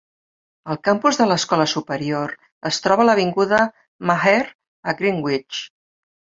El campus de l'escola superior es troba a l'avinguda Maher a Greenwich.